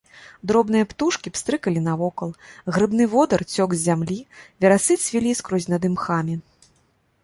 Дробныя птушкі пстрыкалі навокал, грыбны водар цёк з зямлі, верасы цвілі скрозь над імхамі.